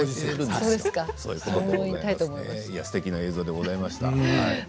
すてきな映像でございました。